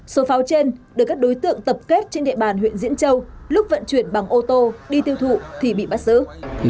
số pháo trên được các đối tượng tập kết trên địa bàn huyện diễn châu lúc vận chuyển bằng ô tô đi tiêu thụ thì bị bắt giữ